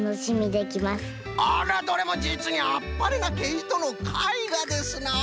あらどれもじつにあっぱれなけいとのかいがですな！